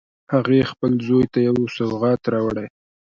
هغې خپل زوی ته یو سوغات راوړی